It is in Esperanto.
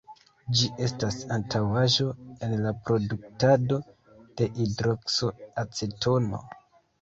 Ĝi estas antaŭaĵo en la produktado de "hidrokso-acetono".